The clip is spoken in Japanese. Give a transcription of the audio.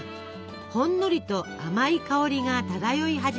ほんのりと甘い香りが漂い始めます。